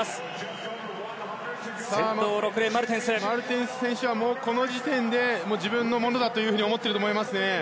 マルテンス選手はこの時点で自分のものだと思っていると思います。